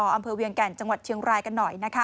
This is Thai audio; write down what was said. อำเภอเวียงแก่นจังหวัดเชียงรายกันหน่อยนะคะ